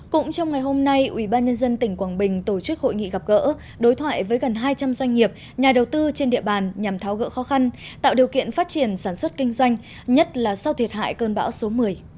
cũng trong ngày hôm nay ubnd tỉnh quảng bình tổ chức hội nghị gặp gỡ đối thoại với gần hai trăm linh doanh nghiệp nhà đầu tư trên địa bàn nhằm tháo gỡ khó khăn tạo điều kiện phát triển sản xuất kinh doanh nhất là sau thiệt hại cơn bão số một mươi